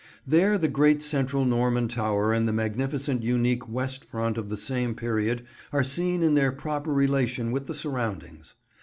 There the great central Norman tower and the magnificent and unique West Front of the same period are seen in their proper relation with the surroundings.